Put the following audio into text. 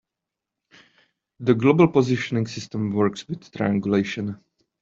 The global positioning system works with triangulation.